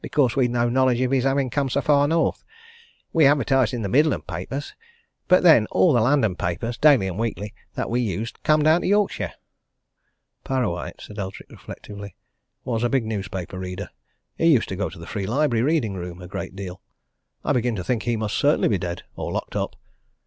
"Because we'd no knowledge of his having come so far North. We advertised in the Midland papers. But then, all the London papers, daily and weekly, that we used come down to Yorkshire." "Parrawhite," said Eldrick reflectively, "was a big newspaper reader. He used to go to the Free Library reading room a great deal. I begin to think he must certainly be dead or locked up.